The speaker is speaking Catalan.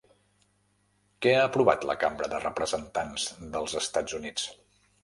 Què ha aprovat la Cambra de Representants dels Estats Units?